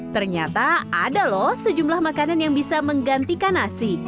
ternyata ada loh sejumlah makanan yang bisa menggantikan nasi